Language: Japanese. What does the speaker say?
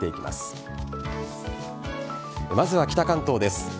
まずは北関東です。